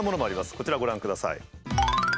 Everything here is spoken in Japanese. こちらご覧ください。